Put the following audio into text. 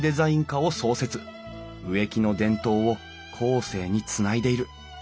植木の伝統を後世につないでいる。